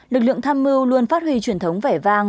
lực lượng tham mưu luôn phát huy truyền thống vẻ vang